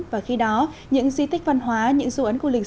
và khi đó những di tích văn hóa những dấu ấn của lịch sử